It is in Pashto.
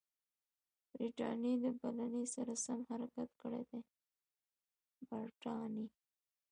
برټانیې د بلنې سره سم حرکت کړی دی.